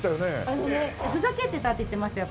あのねふざけてたって言ってましたよ